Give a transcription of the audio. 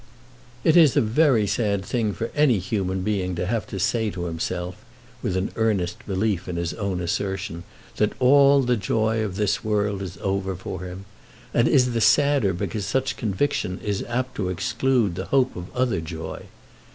It is a very sad thing for any human being to have to say to himself, with an earnest belief in his own assertion, that all the joy of this world is over for him; and is the sadder because such conviction is apt to exclude the hope of other joy.